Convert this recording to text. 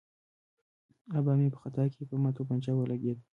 آبا مې په خطا کې په تومانچه ولګېد.